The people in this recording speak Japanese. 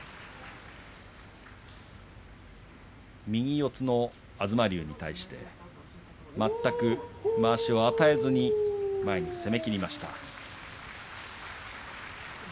右四つの東龍に対して全くまわしを与えずに前に攻めきりました。